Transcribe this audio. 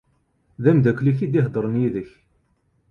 D amdakel-ik i d-iheddren yid-k.